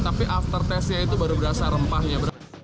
tapi after testnya itu baru berasa rempahnya